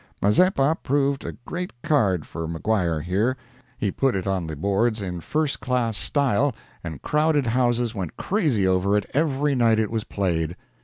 "Mazeppa" proved a great card for Maguire here; he put it on the boards in first class style, and crowded houses went crazy over it every night it was played.